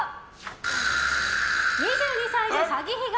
２２歳で詐欺被害！